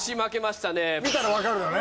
見たらわかるよね。